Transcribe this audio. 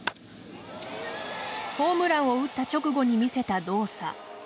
ホームランを打った直後に見せた動作。